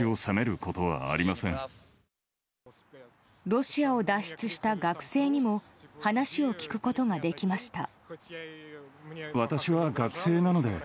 ロシアを脱出した学生にも話を聞くことができました。